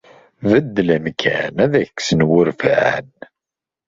Beddel amkan ad ak-kksen wurfan.